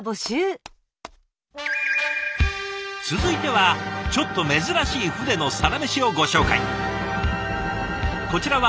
続いてはちょっと珍しい船のサラメシをご紹介。